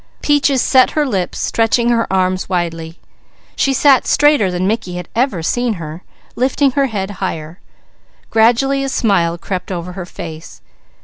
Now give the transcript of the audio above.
Peaches set her lips, stretching her arms widely. She sat straighter than Mickey ever had seen her, lifting her head higher. Gradually a smile crept over her face.